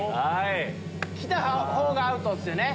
来たほうがアウトっすよね？